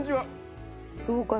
どうかな？